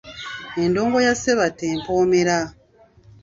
Endongo ya Ssebatta empoomera.